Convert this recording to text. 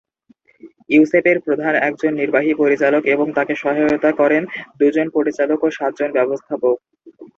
ইউসেপের প্রধান একজন নির্বাহী পরিচালক এবং তাকে সহায়তা করেন দুজন পরিচালক ও সাতজন ব্যবস্থাপক।